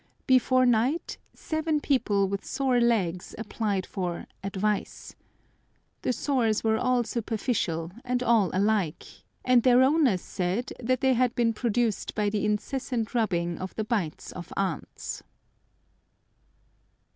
Before night seven people with sore legs applied for "advice." The sores were all superficial and all alike, and their owners said that they had been produced by the incessant rubbing of the bites of ants.